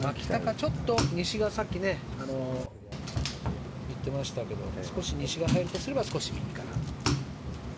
ちょっと西が、とさっき言ってましたけど西が入るとすれば右から。